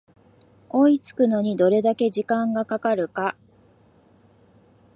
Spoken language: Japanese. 追いつくのにどれだけ時間がかかるか